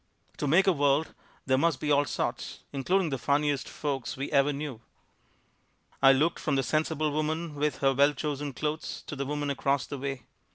To make a world there must be all sorts, including the funniest folks we ever knew. I looked from the sensible woman with her well chosen clothes to the woman across the way.